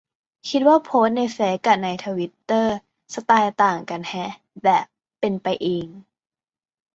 คิดว่าโพสต์ในเฟซกะในทวิตเตอร์สไตล์ต่างกันแฮะ แบบ "เป็นไปเอง"